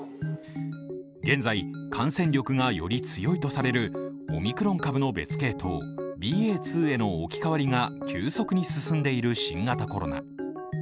現在、感染力がより強いとされるオミクロン株の別系統ＢＡ．２への置き換わりが急速に進んでいる新型コロナ。